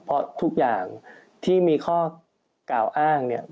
เพราะทุกอย่างที่มีข้อกล่าวอ้างเนี่ย